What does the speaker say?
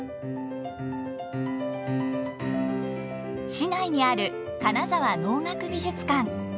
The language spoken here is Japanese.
市内にある金沢能楽美術館。